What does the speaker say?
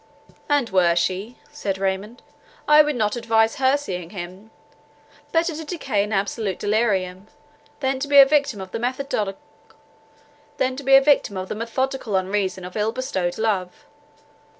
"And were she," said Raymond, "I would not advise her seeing him. Better to decay in absolute delirium, than to be the victim of the methodical unreason of ill bestowed love.